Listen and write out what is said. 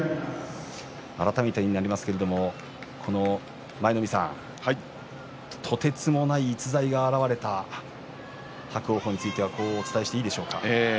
改めてになりますけど舞の海さんとてつもない逸材が現れた伯桜鵬についてはこうお伝えしていいんでしょうか。